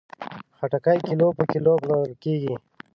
خټکی کیلو په کیلو پلورل کېږي.